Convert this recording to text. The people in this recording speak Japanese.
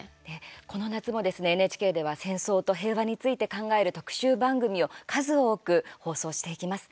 この夏もですねＮＨＫでは戦争と平和について考える特集番組を数多く放送していきます。